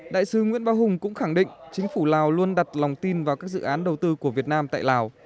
đại sứ nguyễn bá hùng cũng khẳng định chính phủ lào luôn đặt lòng tin vào các dự án đầu tư của việt nam tại lào